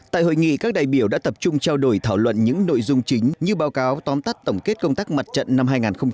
tại hội nghị các đại biểu đã tập trung trao đổi thảo luận những nội dung chính như báo cáo tóm tắt tổng kết công tác mặt trận năm hai nghìn một mươi chín